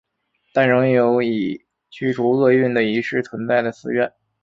但仍有以驱除恶运的仪式存在的寺院。